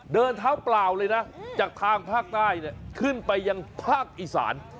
เดินเท้าเปล่าเลยนะจากทางภาคใต้ขึ้นไปยังภาคอีสาน